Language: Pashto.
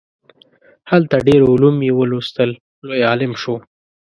هلته ډیر علوم یې ولوستل لوی عالم شو.